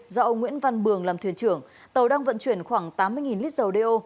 do ông nguyễn văn bường làm thuyền trưởng tàu đang vận chuyển khoảng tám mươi lít dầu đeo